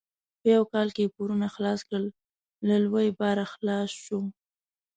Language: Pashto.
په یو کال یې پورونه خلاص کړل؛ له لوی باره خلاص شو.